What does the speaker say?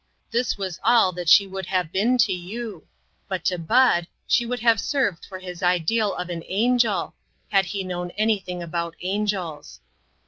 This was 271 2/2 INTERRUPTED. all that she would have been to you ; but to Bud she would have served for his ideal of an angel, had he known anything about angels.